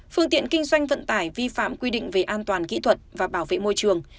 phương tiện kinh doanh vận tải vi phạm quy định về an toàn kỹ thuật và bảo vệ môi trường